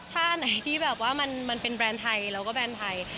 ถ้าไหนที่มันเป็นแบรนด์ไทยเราก็แบรนด์ไทย